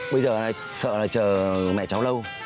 bây giờ sợ là chờ mẹ cháu lâu